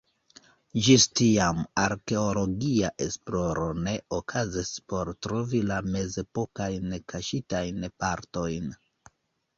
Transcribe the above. Ĝis tiam arkeologia esploro ne okazis por trovi la mezepokajn kaŝitajn partojn.